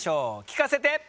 聞かせて！